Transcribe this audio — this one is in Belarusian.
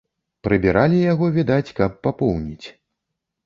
Прыбіралі яго, відаць, каб папоўніць.